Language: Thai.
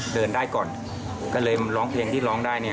เดินได้ก่อนก็เลยร้องเพลงที่ร้องได้เนี่ย